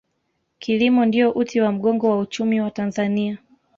kilimo ndiyo uti wa mgongo wa uchumi wa tanzania